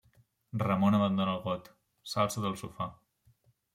Ramon abandona el got. S’alça del sofà.